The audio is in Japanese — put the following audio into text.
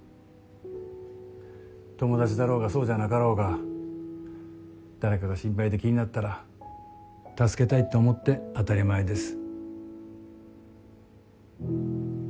友達だろうがそうじゃなかろうが誰かが心配で気になったら助けたいって思って当たり前です。